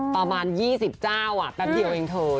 ประมาณ๒๐เจ้าแป๊บเดียวเองเธอ